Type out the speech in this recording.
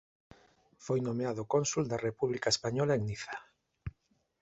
Foi nomeado cónsul da República Española en Niza.